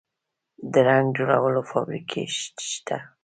د رنګ جوړولو فابریکې شته